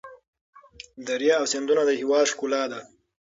درې او سیندونه د هېواد ښکلا ده.